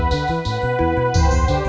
masih di pasar